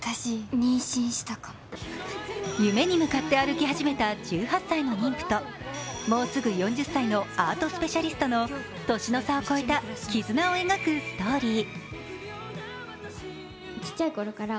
夢に向かって歩き始めた１８歳の妊婦ともうすぐ４０歳のアートスペシャリストの年の差を超えた絆を描くストーリー。